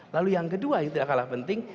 lalu yang kedua yang tidak kalah penting